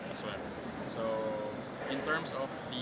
jadi dalam hal nilai asisten yang akan adb pakai tidak bisa diberitahu